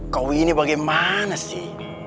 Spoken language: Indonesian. kau ini bagaimana sih